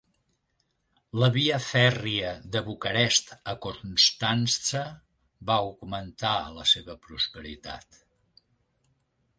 La via fèrria de Bucarest a Constanţa va augmentar la seva prosperitat.